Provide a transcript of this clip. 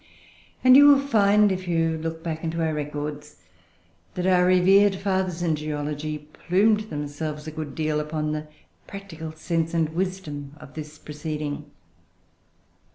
And you will find, if you look back into our records, that our revered fathers in geology plumed themselves a good deal upon the practical sense and wisdom of this proceeding.